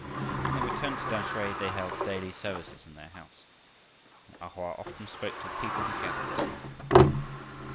When they returned to Tamsui they held daily services in their house, and A Hoa often spoke to the people who gathered there.